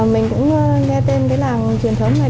mình cũng nghe tên cái làm truyền thống này